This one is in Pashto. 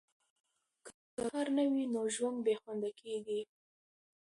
که کار نه وي، نو ژوند بې خونده کیږي.